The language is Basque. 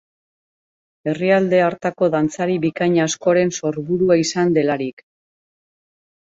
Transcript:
Herrialde hartako dantzari bikain askoren sorburua izan delarik.